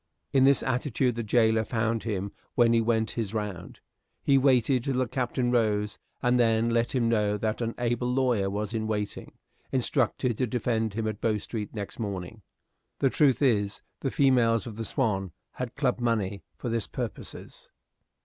In this attitude the jailer found him when he went his round. He waited till the Captain rose, and then let him know that an able lawyer was in waiting, instructed to defend him at Bow Street next morning. The truth is, the females of the "Swan" had clubbed money for this purposes.